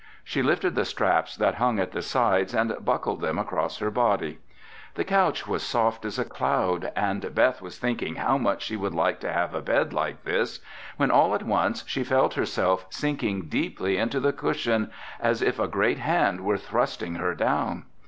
She lifted the straps that hung at the sides and buckled them across her body. The couch was soft as a cloud and Beth was thinking how much she would like to have a bed like this when all at once she felt herself sinking deeply into the cushion as if a great hand were thrusting her down.